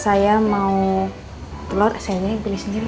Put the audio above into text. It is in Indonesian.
saya mau telur saya beli sendiri